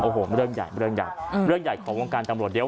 โอ้โหเรื่องใหญ่เรื่องใหญ่เรื่องใหญ่ของวงการตำรวจเดี๋ยว